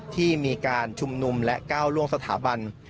ที่มีการชุมนุมและก้าวล่วงสถาบัน